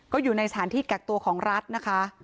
ก็อยู่ในสถานที่กักตัวของรัฐนะคะ